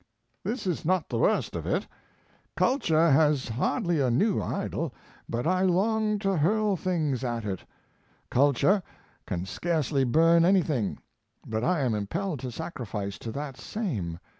This is not the worst of it. Culture has hardly a new idol but I long to hurl things at it. Culture can scarcely burn anything, but I am impelled to sacrifice to that same.